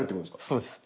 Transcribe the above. そうです。